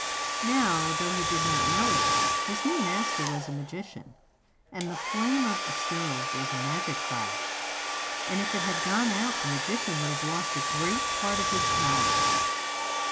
Now, though he did not know it, his new master was a magician, and the flame of the stove was a magic fire, and if it had gone out the magician would have lost a great part of his power.